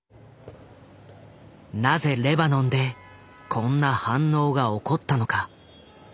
なぜレバノンでこんな反応が起こったのか？